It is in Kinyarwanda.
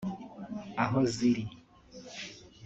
Aho ziri